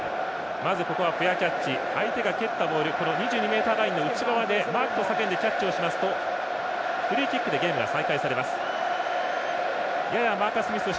フェアキャッチ相手が蹴ったボール内側でマークと叫んでキャッチをしますとフリーキックでゲームが再開されます。